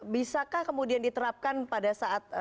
bisakah kemudian diterapkan pada saat